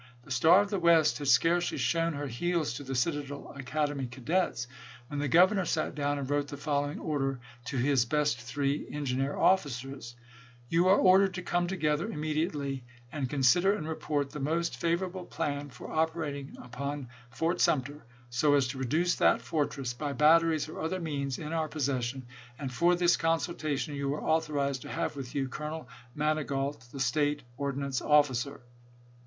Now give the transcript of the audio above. The Star of the West had scarcely shown her heels to the Citadel Academy cadets, when the Governor sat down and wrote the following order to his best three en gineer officers :" You are ordered to come together Pickens immediately, and consider and report the most cKhiie favoraDle plan f°r operating upon Fort Sumter, so TUraP?er,' as to reduce that fortress, by batteries or other Ja"south61' means in our possession ; and for this consultation €Ho°usea you are authorized to have with you Colonel unsafe. Manigault, the State ordnance officer."